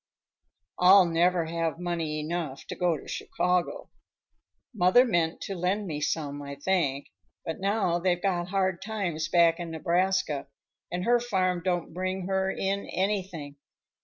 "I'll never have money enough to go to Chicago. Mother meant to lend me some, I think, but now they've got hard times back in Nebraska, and her farm don't bring her in anything.